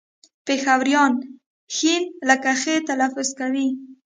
پېښوريان ښ لکه خ تلفظ کوي